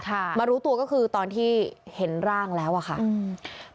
มารู้ตัวก็คือตอนที่เห็นร่างแล้วอ่ะค่ะอืม